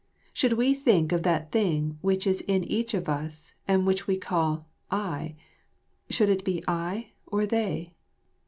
Should we think of that thing which is in each of us and which we call 'I' should it be 'I' or 'they'?